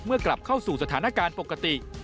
กลับเข้าสู่สถานการณ์ปกติ